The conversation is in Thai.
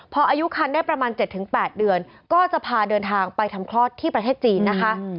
พออายุคันได้ประมาณ๗๘เดือนก็จะพาเดินทางไปทำคลอดที่ประเทศจีนนะคะ